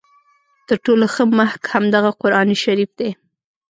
تر ټولو ښه محک همدغه قرآن شریف دی.